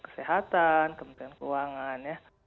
kesehatan kementerian keuangan